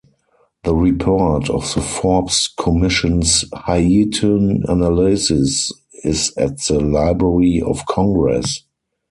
The report of the Forbes Commission's Haitian analysis is at the Library of Congress.